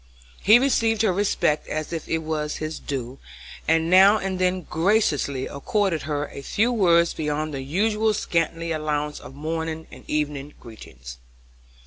He received her respect as if it was his due, and now and then graciously accorded her a few words beyond the usual scanty allowance of morning and evening greetings.